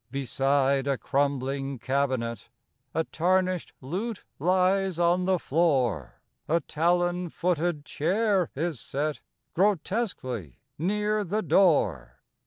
Beside a crumbling cabinet A tarnished lute lies on the floor; A talon footed chair is set, Grotesquely, near the door.